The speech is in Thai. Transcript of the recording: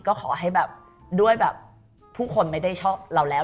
ก็ขอให้แบบด้วยแบบผู้คนไม่ได้ชอบเราแล้ว